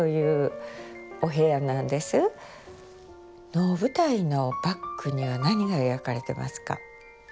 能舞台のバックには何が描かれてますか？